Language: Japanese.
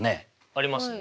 ありますね。